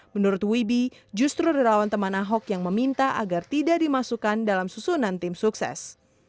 menurut wibi justru relawan teman ahok yang meminta agar tidak dimasukkan dalam susunan tim sukses